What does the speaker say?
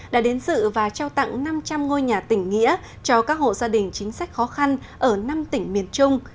đã đến sự và trao tặng năm trăm linh ngôi nhà tỉnh nghĩa cho các hộ gia đình chính sách khó khăn ở năm tỉnh miền trung